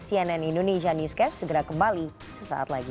cnn indonesia newscast segera kembali sesaat lagi